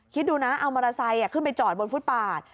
คิดดูนะเอามอเตอร์ไซค์ขึ้นไปจอดบนฟุตปาด